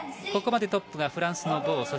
ここまでトップがフランスのボー。